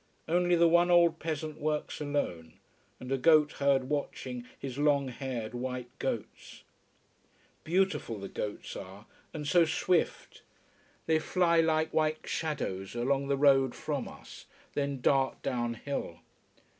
Only the one old peasant works alone: and a goatherd watching his long haired, white goats. Beautiful the goats are: and so swift. They fly like white shadows along the road from us, then dart down hill.